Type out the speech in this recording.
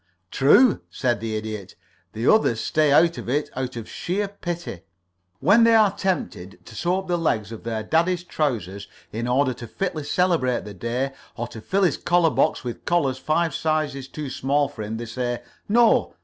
"True," said the Idiot. "The others stay out of it out of sheer pity. When they are tempted to sew up the legs of their daddy's trousers in order to fitly celebrate the day, or to fill his collar box with collars five sizes too small for him, they say, 'No.